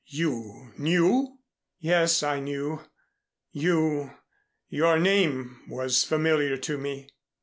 "You knew?" "Yes, I knew. You your name was familiar to me."